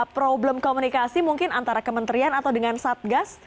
problem komunikasi mungkin antara kementerian atau dengan satgas